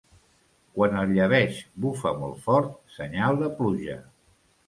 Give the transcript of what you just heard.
Quan el llebeig bufa molt fort, senyal de pluja.